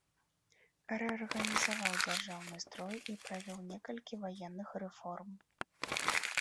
Рэарганізаваў дзяржаўны строй і правёў некалькі ваенных рэформ.